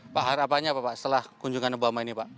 pak harapannya apa pak setelah kunjungan obama ini pak